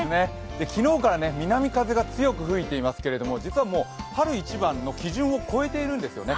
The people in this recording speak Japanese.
昨日から南風が強く吹いていますけれども実はもう春一番の基準を超えているんですよね。